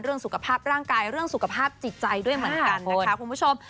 เรื่องสุขภาพร่างกายเรื่องสุขภาพจิตใจด้วยเหมือนกันนะคะคุณผู้ชม